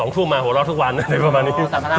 ๒ทุ่มมาโหล่ะทุกวันประมาณนี้